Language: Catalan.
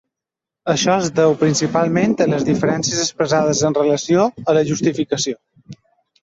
Això es deu principalment a les diferències expressades en relació a la Justificació.